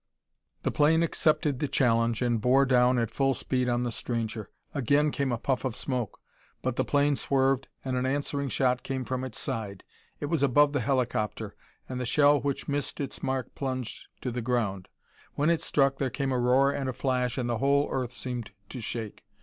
The plane accepted the challenge and bore down at full speed on the stranger. Again came a puff of smoke, but the plane swerved and an answering shot came from its side. It was above the helicopter, and the shell which missed its mark plunged to the ground. When it struck there came a roar and a flash and the whole earth seemed to shake.